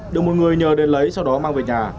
được một người nhờ đến lấy sau đó mang về nhà